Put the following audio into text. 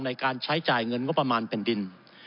ในการใช้จ่ายเงินงบประมาณแผ่นดิน